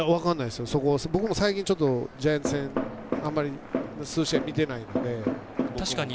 僕も最近ジャイアンツ戦数試合見てないので。